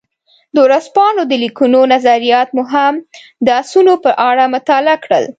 د ورځپاڼو د لیکونکو نظریات مو هم د اسونو په اړه مطالعه کړل.